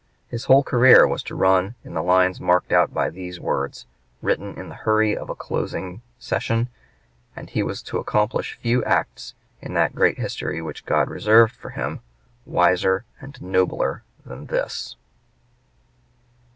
His whole career was to run in the lines marked out by these words, written in the hurry of a closing session, and he was to accomplish few acts, in that great history which God reserved for him, wiser and nobler than this.